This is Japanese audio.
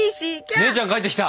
姉ちゃん帰ってきた。